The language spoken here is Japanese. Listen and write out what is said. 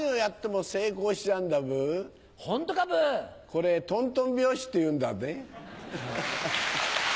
これトントン拍子っていうんだね。